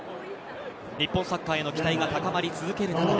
日本サッカーへの期待が高まり続ける中